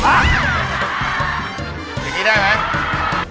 อย่างนี้ได้ไหม